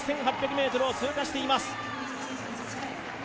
６８００ｍを通過しています。